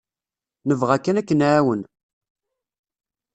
Nebɣa kan ad k-nεawen.